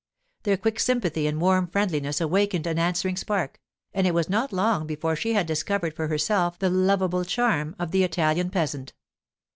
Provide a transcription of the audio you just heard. Their quick sympathy and warm friendliness awakened an answering spark, and it was not long before she had discovered for herself the lovable charm of the Italian peasant.